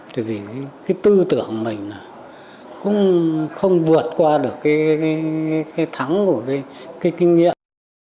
từ vì cái tư tưởng của mình cũng không vượt qua được cái thắng của cái kinh nghiệm